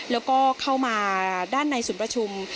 แล้วก็เข้ามาด้านในศูนย์ประชุม